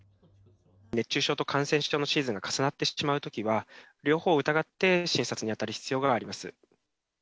熱中症と感染症のシーズンが重なってしまうときは、両方を疑って診察に当たる必要があります。